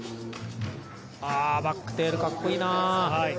バックテール、かっこいいなぁ。